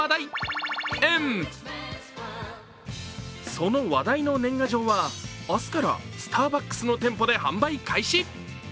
その話題の年賀状は明日からスターバックスの店舗で販売開始。